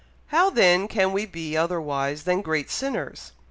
How, then, can we be otherwise than great sinners?